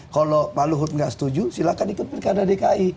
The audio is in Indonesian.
kalau pak luhut nggak setuju silahkan ikut pilkada dki